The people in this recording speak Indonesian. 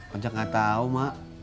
kocak enggak tahu mak